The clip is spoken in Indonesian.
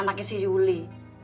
anaknya si yuli